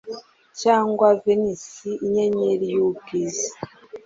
Cyangwa Venus Inyenyeri y'Ubwiza